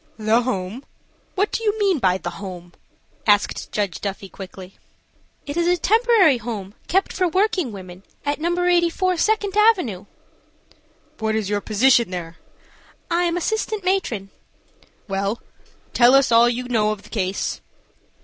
"The home! What do you mean by the home?" asked Judge Duffy, quickly. "It is a temporary home kept for working women at No. 84 Second Avenue." "What is your position there?" "I am assistant matron." "Well, tell us all you know of the case."